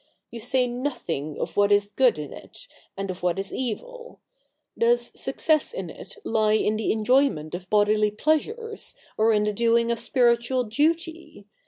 You say nothing of what is good in it, and of what is evil. Does success in it lie in the enjoyment of bodily pleasures, or in the doing of spiritual duty